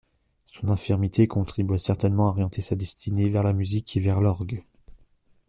Son infirmité contribua certainement à orienter sa destinée vers la musique et vers l’orgue.